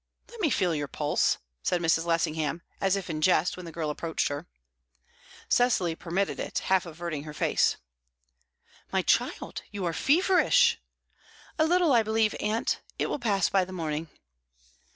"Let me feel your pulse," said Mrs. Lessingham, as if in jest, when the girl approached her. Cecily permitted it, half averting her face. "My child, you are feverish." "A little, I believe, aunt. It will pass by the morning."